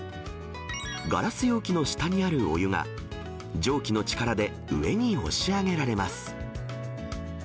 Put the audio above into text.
ガラス容器の下にあるお湯が、蒸気の力で上に押し上げられます。